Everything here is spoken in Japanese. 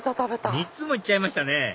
３つも行っちゃいましたね